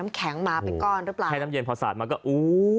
น้ำแข็งมาเป็นก้อนรึเปล่านใช่น้ำเย็นพอสาดมาก็วู้ว